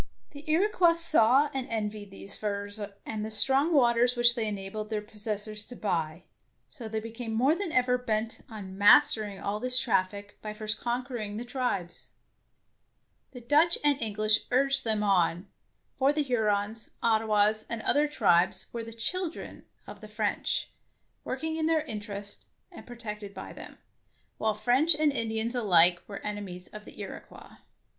The Iroquois saw and envied these furs and the strong waters which they enabled their pos sessors to buy, so they became more than ever bent on mastering all this 99 DEEDS OF DARING traffic by first conquering the tribes. The Dutch and English urged them on, for the Hurons, Ottawas, and other tribes were the "children'' of the French, working in their interests and protected by them, while French and Indians alike were enemies of the Iroquois.